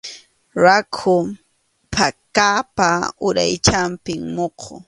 Rakhu phakapa uraychanpi muqu.